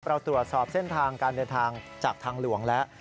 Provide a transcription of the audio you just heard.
เราตรวจสอบเส้นทางการเดินทางจากทางหลวงแล้ว